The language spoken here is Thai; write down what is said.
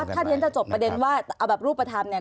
แต่ว่าถ้าเพียงจะจบประเด็นว่าเอาแบบรูปประทำ